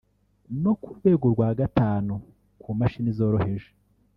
no ku rwego rwa gatanu ku mashini zoroheje